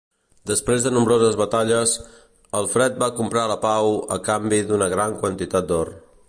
Després de nombroses batalles, Alfred va comprar la pau a canvi d'una gran quantitat d'or.